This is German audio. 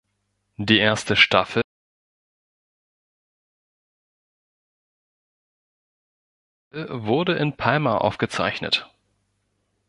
Die erste Staffel wurde in Palma aufgezeichnet.